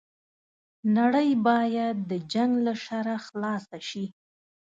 نړۍ بايد د جنګ له شره خلاصه شي